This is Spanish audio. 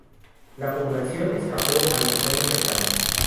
La población escapó a los cerros cercanos.